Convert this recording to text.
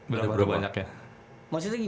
berapa banyak ya